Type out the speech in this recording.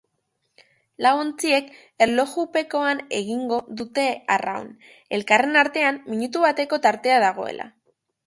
Lau ontziek erlojupekoan egingo dute arraun, elkarren artean minutu bateko tartea dagoela.